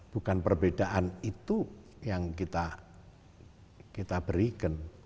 bukan perbedaan itu yang kita berikan